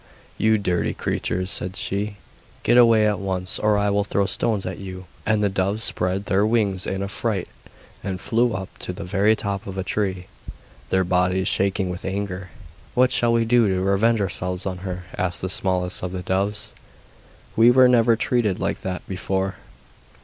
'You dirty creatures,' cried she, 'get away at once, or I will throw stones at you! And the doves spread their wings in a fright and flew up to the very top of a tree, their bodies shaking with anger. 'What shall we do to revenge ourselves on her?' asked the smallest of the doves, 'we were never treated like that before.